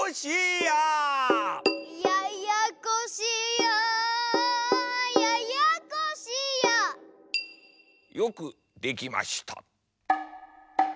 よくできました。